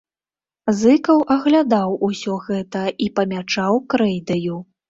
Зыкаў аглядаў усё гэта і памячаў крэйдаю.